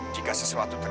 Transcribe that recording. juga sedikit bantuan